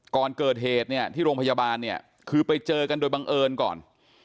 ก่อนเกิดเหตุเนี่ยที่โรงพยาบาลเนี่ยคือไปเจอกันโดยบังเอิญก่อน